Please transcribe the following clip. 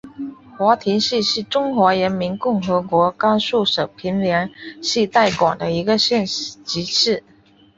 华亭市是中华人民共和国甘肃省平凉市代管的一个县级市。